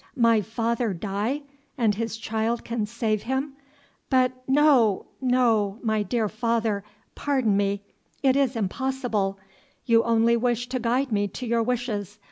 "My father die, and his child can save him! but no no my dear father, pardon me, it is impossible; you only wish to guide me to your wishes.